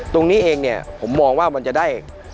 ตรงนี้เองเนี่ยผมมองว่ามันจะได้